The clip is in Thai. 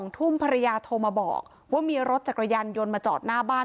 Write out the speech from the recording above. ทุ่มภรรยาโทรมาบอกว่ามีรถจักรยานยนต์มาจอดหน้าบ้าน